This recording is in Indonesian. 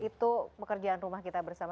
itu pekerjaan rumah kita bersama